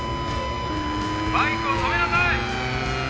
「バイクを止めなさい！」